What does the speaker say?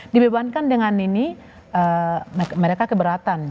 dibebankan dengan ini mereka keberatan